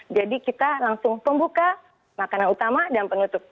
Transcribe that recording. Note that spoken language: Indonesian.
jadi kita langsung pembuka makanan utama dan penutup